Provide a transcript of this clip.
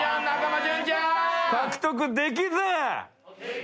獲得できず。